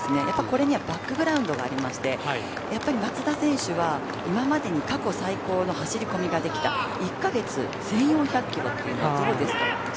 やっぱり、これにはバックグラウンドがありましてやっぱり松田選手は今までに過去最高の走り込みができた１か月１５００キロというのが。